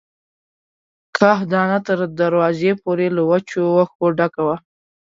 کاه دانه تر دروازې پورې له وچو وښو ډکه وه.